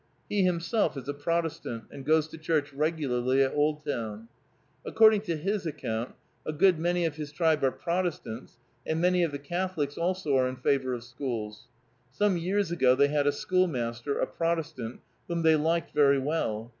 He himself is a Protestant, and goes to church regularly at Oldtown. According to his account, a good many of his tribe are Protestants, and many of the Catholics also are in favor of schools. Some years ago they had a schoolmaster, a Protestant, whom they liked very well.